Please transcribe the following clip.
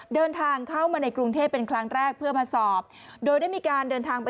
เดินทางเข้ามาในกรุงเทพฯเป็นครั้งแรกเพื่อมาสอบ